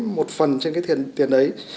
một phần trên cái tiền đấy